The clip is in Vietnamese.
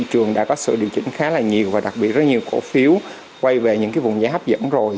rất là nhiều và đặc biệt rất nhiều cổ phiếu quay về những vùng giá hấp dẫn rồi